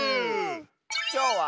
きょうは。